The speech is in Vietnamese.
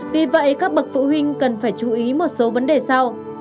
vì vậy các bậc phụ huynh cần phải chú ý một số vấn đề sau